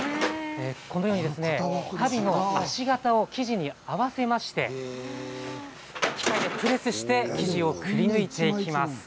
足袋の足型を生地に合わせまして機械でプレスして生地をくりぬいていきます。